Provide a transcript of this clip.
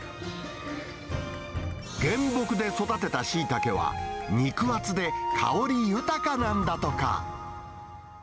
原木で育てたシイタケは、肉厚で香り豊かなんだとか。